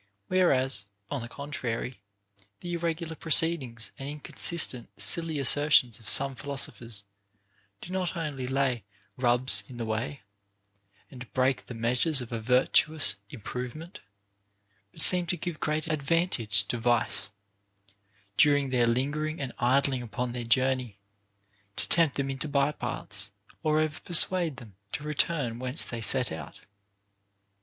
Whereas, on the contrary, the irregu lar proceedings and inconsistent silly assertions of some * Hesiod, Works and Days, 361. vol. ii. 29 450 OF MAN'S PROGRESS IN VIRTUE. philosophers do not only lay rubs in the way, and break the measures of a virtuous improvement, but seem to give great advantage to vice, during their lingering and idling upon their journey, to tempt them into by paths, or over persuade them to return whence they set out.